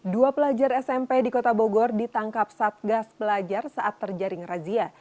dua pelajar smp di kota bogor ditangkap satgas pelajar saat terjaring razia